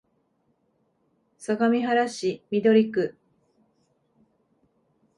相模原市緑区